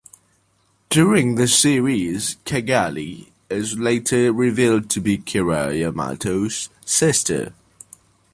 During the series, Cagalli is later revealed to be Kira Yamato's sister.